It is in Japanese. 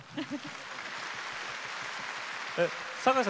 酒井さん